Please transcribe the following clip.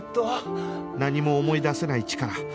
何も思い出せないチカラ